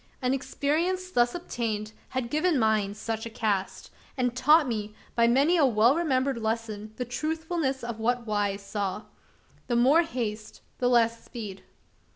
An experience thus obtained, had given mine such a cast; and taught me, by many a well remembered lesson, the truthfulness of that wise saw; "The more haste the less speed."